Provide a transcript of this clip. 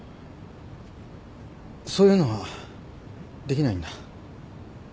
そういうのはできないんだ。